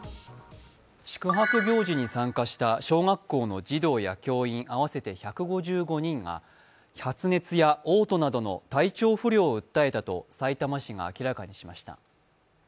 宿泊行事に参加した小学校の児童や教員合わせて１５５人が発熱やおう吐などの体調不良を訴えたとさいたま市が明らかにしました。